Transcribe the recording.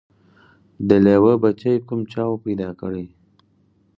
د لېوه بچی کوم چا وو پیدا کړی